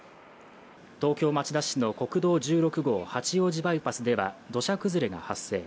東京・町田市の国道１６号八王子バイパスでは土砂崩れが発生。